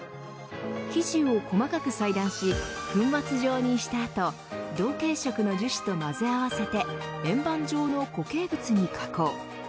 生地を細かく裁断し粉末状にした後同系色の樹脂と混ぜ合わせて円盤状の固形物に加工。